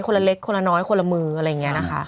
ละเล็กคนละน้อยคนละมืออะไรอย่างนี้นะคะ